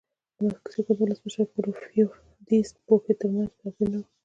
د مکسیکو د ولسمشر پورفیرو دیاز پوهې ترمنځ توپیر نه و.